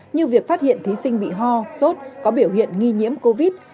như việc phát hiện thí sinh bị ho sốt có biểu hiện nghi nhiễm covid